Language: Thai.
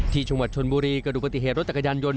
ที่จังหวัดชนบุรีกระดูกปฏิเหตุรถจักรยานยนต